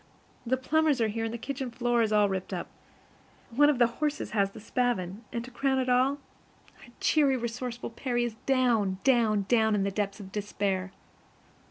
The plumbers are here, and the kitchen floor is all ripped up. One of our horses has the spavin. And, to crown all, our cheery, resourceful Percy is down, down, down in the depths of despair.